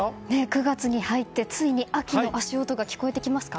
９月に入ってついに秋の足音が聞こえてきますか？